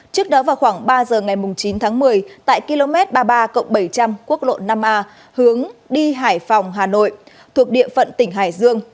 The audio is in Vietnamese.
trước đó vào khoảng ba giờ ngày chín tháng một mươi tại km ba mươi ba bảy trăm linh quốc lộ năm a hướng đi hải phòng hà nội thuộc địa phận tỉnh hải dương